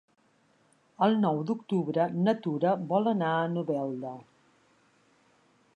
El nou d'octubre na Tura vol anar a Novelda.